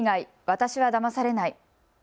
私はだまされない。